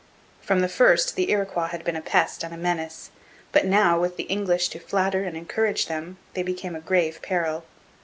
From the first the Iroquois had been a pest and a menace, but now, with the English to flatter and encourage them, they became a grave peril.